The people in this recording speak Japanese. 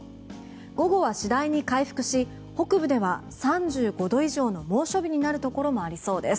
午後は次第に回復し北部では３５度以上の猛暑日になるところもありそうです。